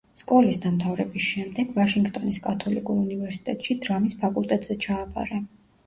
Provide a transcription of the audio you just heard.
სკოლის დამთავრების შემდეგ, ვაშინგტონის კათოლიკურ უნივერსიტეტში დრამის ფაკულტეტზე ჩააბარა.